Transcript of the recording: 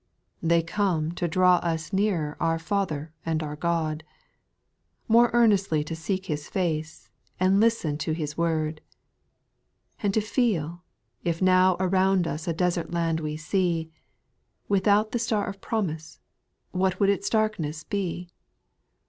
' 3. V Thev come to draw us nearer our Father and ■I mf our God, More earnestly to seek His face, and listen to His word. And to feel, if now around us a desert land we see, Without the "^tar of promise, what would its darkness be